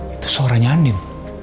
itu suaranya andin